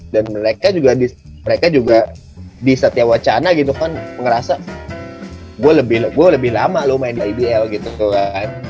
dan mereka juga di satya wacana gitu kan ngerasa gue lebih lama lo main di idl gitu kan